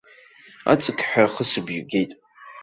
Аҵықьҳәа ахысыбжьы геит.